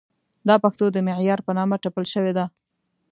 دا پښتو د معیار په نامه ټپل شوې ده.